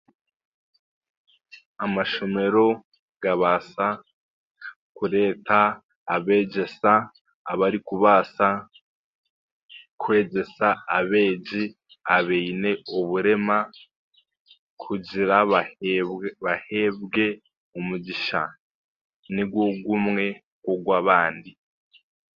Amashomero gabaasa kureeta abeegyesa abarikubaasa kwegyesa abeegi abaine oburema kugira baheeb baheebwe omugisha nigwo gumwe nk'ogw'abandi.